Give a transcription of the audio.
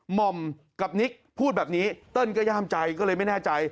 หม่อมกับนิกพูดแบบนี้เติ้ลก็ย่ามใจก็เลยไม่แน่ใจ